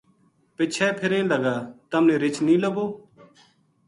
پِچھے پھریں لگا تم نے رچھ نیہہ لبھو